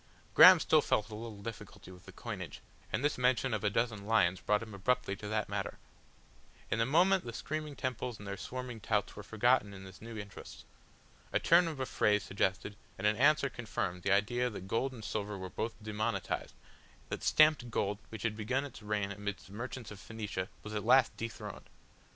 Graham still felt a difficulty with the coinage, and this mention of a dozen lions brought him abruptly to that matter. In a moment the screaming temples and their swarming touts were forgotten in this new interest. A turn of a phrase suggested, and an answer confirmed the idea that gold and silver were both demonetised, that stamped gold which had begun its reign amidst the merchants of Phoenicia was at last dethroned.